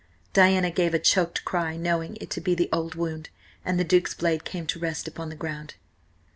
Diana gave a choked cry, knowing it to be the old wound, and the Duke's blade came to rest upon the ground.